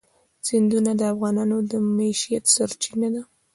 سیندونه د افغانانو د معیشت سرچینه ده.